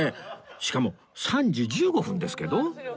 しかも３時１５分ですけど！